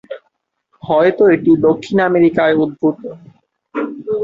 হয়ত এটি দক্ষিণ আমেরিকায় উদ্ভূত।